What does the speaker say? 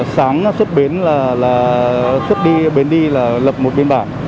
sáng xuất bến là xuất đi bến đi là lập một biên bản